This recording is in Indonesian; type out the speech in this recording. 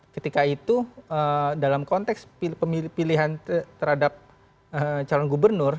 ketika itu dalam konteks pilihan terhadap calon gubernur